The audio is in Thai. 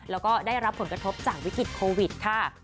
แล้วก็ได้รับผลกระทบจากวิกฤตโควิดค่ะ